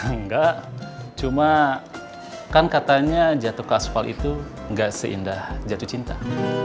enggak cuma kan katanya jatuh ke asfal itu gak seindah jatuh cinta